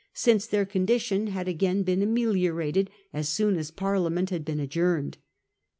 since their condition had again been tion during ameliorated as soon as Parliament had been recess, adjourned.